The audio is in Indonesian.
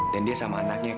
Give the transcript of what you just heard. dan dia sama anaknya kak